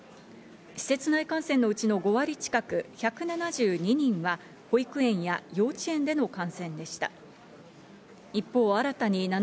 施設内感染のうちの５割近く、１７２人は保育園や幼稚園での感